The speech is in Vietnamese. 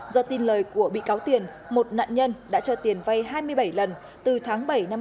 do tin lời của bị cáo tiền một nạn nhân đã cho tiền vay hai mươi bảy lần từ tháng bảy năm hai nghìn hai mươi